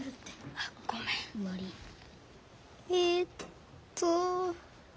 えっと。